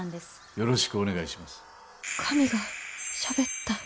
よろしくお願いします。